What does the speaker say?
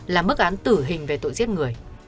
là mức án tử hình về tội giết người